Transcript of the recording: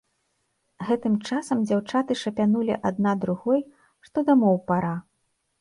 Гэтым часам дзяўчаты шапянулі адна другой, што дамоў пара.